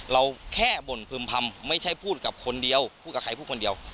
เราแค่บ่นพึ่มพำไม่ใช่พูดกับคนเดียวพูดกับใครพูดคนเดียว